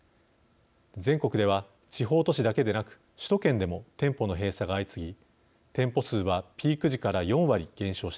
全国では地方都市だけでなく首都圏でも店舗の閉鎖が相次ぎ店舗数はピーク時から４割減少しています。